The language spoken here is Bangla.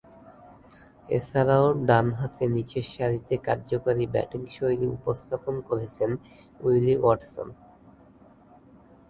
এছাড়াও, ডানহাতে নিচেরসারিতে কার্যকারী ব্যাটিংশৈলী উপস্থাপন করেছেন উইলি ওয়াটসন।